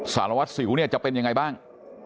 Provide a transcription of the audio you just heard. สารวัตรสิวเนี่ยจะเป็นยังไงบ้าง